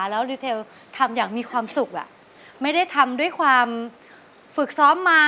แล้วรีเทลทำอย่างมีความสุขไม่ได้ทำด้วยความฝึกซ้อมมา